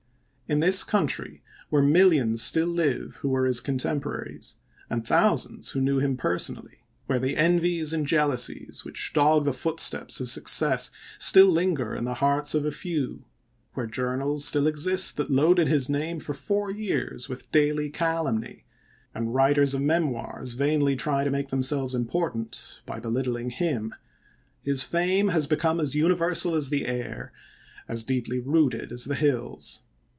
In this country, where millions still live who were his contemporaries, and thousands who knew him personally, where the envies and jealousies 350 ABRAHAM LINCOLN ch. xviii. which dog the footsteps of success still linger in the hearts of a few, where journals still exist that loaded his name for four years with daily calumny, and writers of memoirs vainly try to make them selves important by belittling him, his fame has become as universal as the air, as deeply rooted as the hills.